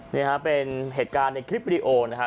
นี่ฮะเป็นเหตุการณ์ในคลิปวิดีโอนะครับ